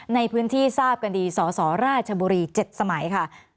ในพื้นที่ทราบกันดีสสราชบุรี๗สมัยค่ะ